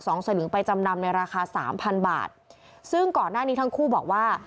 สลึงไปจำนำในราคาสามพันบาทซึ่งก่อนหน้านี้ทั้งคู่บอกว่า